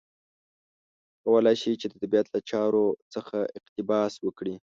کولای شي چې د طبیعت له چارو څخه اقتباس وکړي.